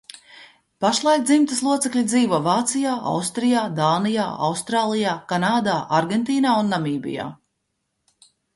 Pašlaik dzimtas locekļi dzīvo Vācijā, Austrijā, Danijā, Austrālijā, Kanādā, Argentīnā un Namībijā.